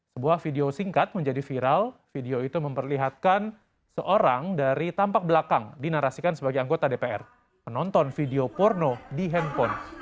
sebuah video singkat menjadi viral video itu memperlihatkan seorang dari tampak belakang dinarasikan sebagai anggota dpr menonton video porno di handphone